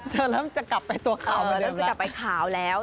เธอเริ่มจะกลับไปตัวขาวเหมือนเดิมแล้ว